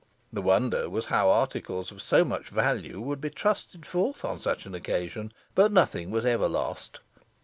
The wonder was how articles of so much value would be trusted forth on such an occasion; but nothing was ever lost.